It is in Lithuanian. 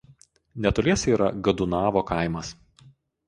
Netoliese yra Gadūnavo kaimas.